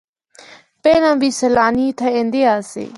پہلا بھی سیلانی اِتھا ایندے آسے۔